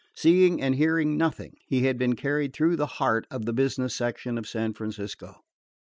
Seeing and hearing nothing, he had been carried through the heart of the business section of San Francisco.